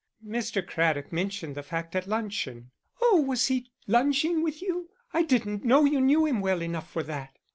"Mr. Craddock mentioned the fact at luncheon." "Oh, was he lunching with you? I didn't know you knew him well enough for that."